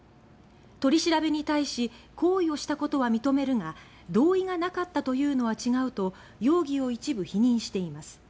取り調べに対し「行為をしたことは認めるが同意がなかったというのは違う」と容疑を一部否認しています。